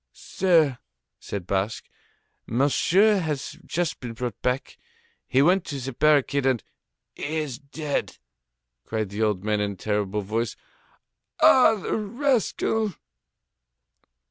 "Sir," said Basque, "Monsieur has just been brought back. He went to the barricade, and...." "He is dead!" cried the old man in a terrible voice. "Ah! The rascal!"